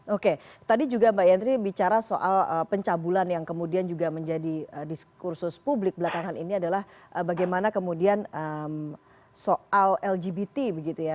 oke tadi juga mbak yandri bicara soal pencabulan yang kemudian juga menjadi diskursus publik belakangan ini adalah bagaimana kemudian soal lgbt begitu ya